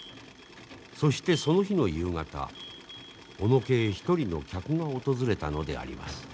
そしてその日の夕方小野家へ一人の客が訪れたのであります。